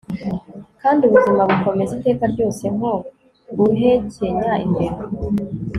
Kandi ubuzima bukomeza iteka ryose nko guhekenya imbeba